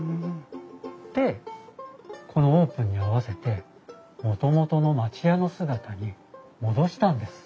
でこのオープンに合わせてもともとの町家の姿に戻したんです。